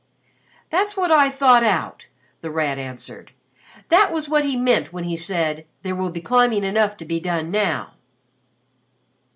"That's what I thought out," The Rat answered. "That was what he meant when he said, 'There will be climbing enough to be done now.'"